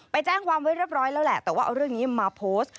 ไปแจ้งความไว้เรียบร้อยแล้วแหละแต่ว่าเอาเรื่องนี้มาโพสต์